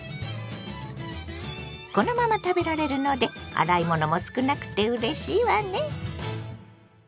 このまま食べられるので洗い物も少なくてうれしいわね。